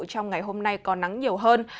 trong ngày hôm nay có nắng nhiều hơn